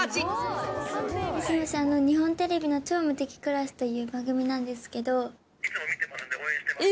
もしもし、日本テレビの超無敵クラスという番組なんですけど。